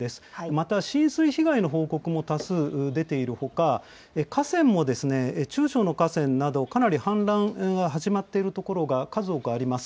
また浸水被害の報告も多数出ているほか、河川もですね、中小の河川など、かなり氾濫が始まっている所が数多くあります。